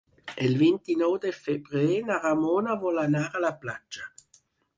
El vint-i-nou de febrer na Ramona vol anar a la platja.